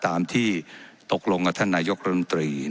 ตามที่ตกลงกับท่านนายกรมตรี